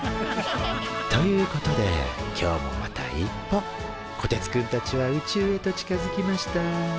ということで今日もまた一歩こてつくんたちは宇宙へと近づきました。